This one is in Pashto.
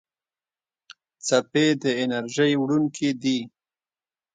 څپې د انرژۍ وړونکي دي.